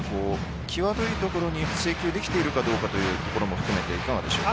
際どいところに制球できているかというところも含めていかがでしょうか。